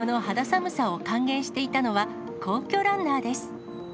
逆にこの肌寒さを歓迎していたのは、皇居ランナーです。